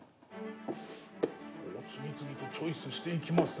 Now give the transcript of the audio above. おっ次々とチョイスしていきますね。